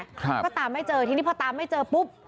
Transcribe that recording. ครับก็ตามไม่เจอทีนี้พอตามไม่เจอปุ๊บ